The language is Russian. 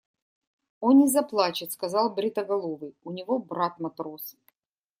– Он не заплачет, – сказал бритоголовый, – у него брат – матрос.